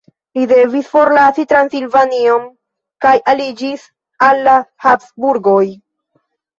Li devis forlasi Transilvanion kaj aliĝis al la Habsburgoj.